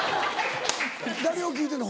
誰を聴いてんの？